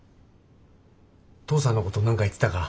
父さんのこと何か言ってたか？